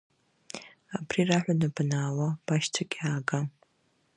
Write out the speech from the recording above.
Абри раҳәаны банаауа, башьцәагьы аага.